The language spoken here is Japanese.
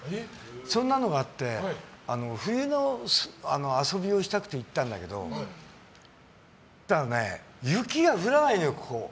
そんなのがあって、冬の遊びをしたくて行ったんだけど雪が降らないのよ、ここ。